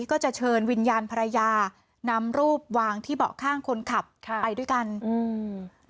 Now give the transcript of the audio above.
ก็จะเชิญวิญญาณภรรยานำรูปวางที่เบาะข้างคนขับค่ะไปด้วยกันอืม